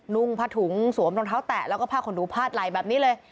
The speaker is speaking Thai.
นุ่งผ้าถุงสวมรองเท้าแตะแล้วก็ผ้าขนหนูพาดไหล่แบบนี้เลย